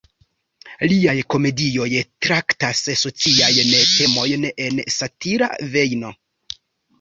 Liaj komedioj traktas sociajn temojn en satira vejno.